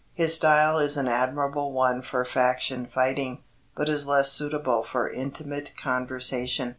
His style is an admirable one for faction fighting, but is less suitable for intimate conversation.